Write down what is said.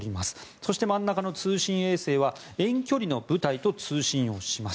そして真ん中の通信衛星は遠距離の部隊と通信をします。